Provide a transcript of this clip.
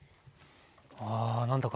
わあ何だか。